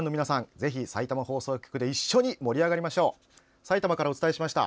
ぜひ、さいたま放送局で一緒に盛り上がりましょう。